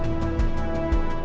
sambil nunggu kita